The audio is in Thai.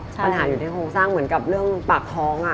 ปัญหาอยู่ที่โครงสร้างเหมือนกับเรื่องปากท้อง